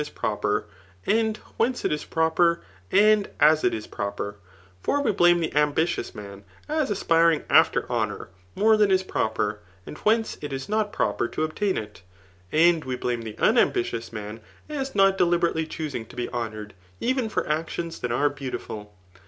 ^dianis pro^, and whence it is proper, wid as k is pto* l>er» For we Uame the ambidoos man, as adoring after jbooour more than is proper, and whiAce k is not proper ((lio cbiam it] ; and we Uame the unamliiioos man, as Slot jdfiUbcrately cfaoosuig to be honoured even for adioM (that are beautiful.